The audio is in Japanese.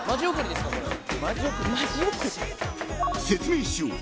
［説明しよう